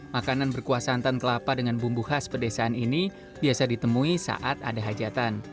makanan berkuah santan kelapa dengan bumbu khas pedesaan ini biasa ditemui saat ada hajatan